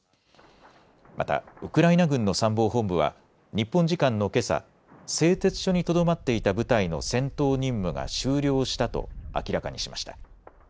またウクライナ軍の参謀本部は日本時間のけさ製鉄所にとどまっていた部隊の戦闘任務が終了したと明らかにしました。